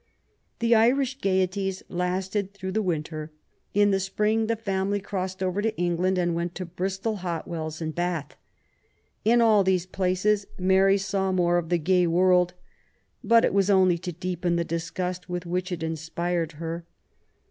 The Irish gaieties lasted through the winter. In the spring the family crossed over to England and went to Bristol Hotwells and Bath. In all these places Mary saw more of the gay world, but it was only to deepen the disgust with which it inspired her.